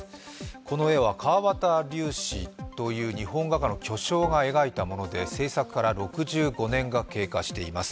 この絵は川端龍子という日本画の大家が描いたもので制作から６５年が経過しています。